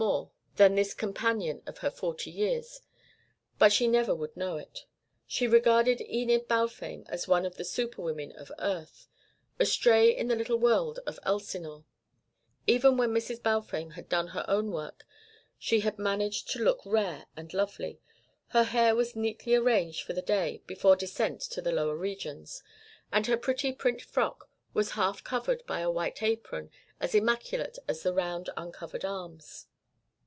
more than this companion of her forty years, but she never would know it. She regarded Enid Balfame as one of the superwomen of Earth, astray in the little world of Elsinore. Even when Mrs. Balfame had done her own work she had managed to look rare and lovely. Her hair was neatly arranged for the day before descent to the lower regions, and her pretty print frock was half covered by a white apron as immaculate as her round uncovered arms.